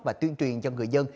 và tuyên truyền cho người dân